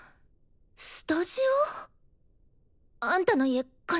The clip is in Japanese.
スタジオ？あんたの家金持ち？